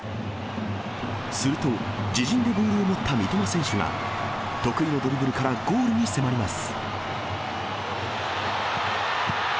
すると、自陣でボールを持った三笘選手が、得意のドリブルからゴールに迫ります。